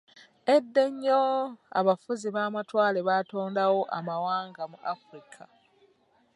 Edda ennyo, abafuzi b'amatwale baatondawo amawanga mu Afirika.